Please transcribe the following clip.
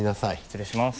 失礼します。